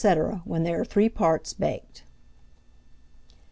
when they are three parts baked.